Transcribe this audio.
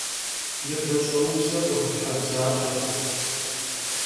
Nıbeş'eubze 'uexuthebzaş'eş.